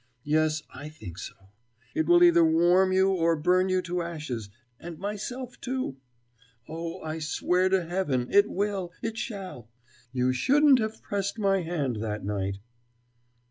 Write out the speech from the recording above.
Yes, I think so. It will either warm you, or burn you to ashes and myself, too. Oh, I swear to Heaven! It will, it shall! You shouldn't have pressed my hand that night."